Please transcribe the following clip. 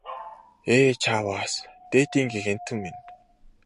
Ээ чааваас дээдийн гэгээнтэн минь!